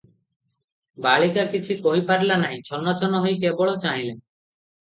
ବାଳିକା କିଛି କହିପାରିଲା ନାହିଁ- ଛନ ଛନ ହୋଇ କେବଳ ଚାହିଁଲା ।